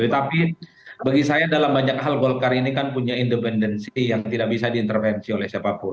tapi bagi saya dalam banyak hal golkar ini kan punya independensi yang tidak bisa diintervensi oleh siapapun